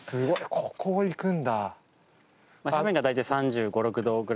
ここを行くんだ。